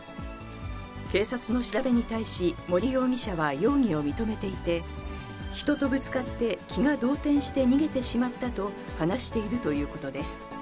警察の調べに対し、森容疑者は容疑を認めていて、人とぶつかって気が動転して逃げてしまったと話しているということです。